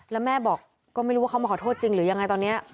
แล้วแม่บอกก็ไม่รู้ว่าเขามาขอโทษจริงหรือยังไงตอนนี้